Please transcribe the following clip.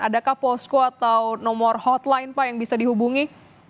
adakah posko atau nomor hotline pak yang bisa dihubungi